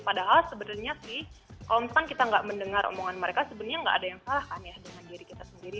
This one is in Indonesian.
padahal sebenarnya sih kalau misalkan kita nggak mendengar omongan mereka sebenarnya nggak ada yang salah kan ya dengan diri kita sendiri